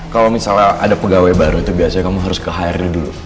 kalau misalnya ada pegawai baru itu biasanya kamu harus ke hrd dulu